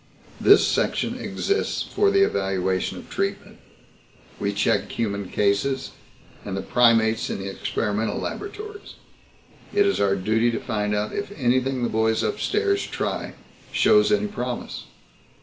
This section exists for the evaluation of treatment. We check the human cases, and the primates in the experimental laboratories. It is our duty to find out if anything the boys upstairs try shows any promise.